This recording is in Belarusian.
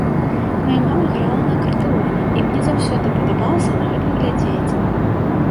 Мая мама грала на акардэоне і мне заўсёды падабалася на гэта глядзець.